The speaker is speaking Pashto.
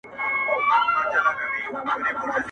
خو په شا یې وړل درانه درانه بارونه٫